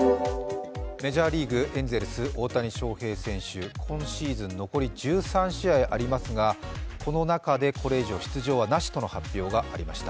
メジャーリーグ、エンゼルス大谷翔平選手、今シーズン残り１３試合ありますがこの中でこれ以上の出場はなしとの発表がありました。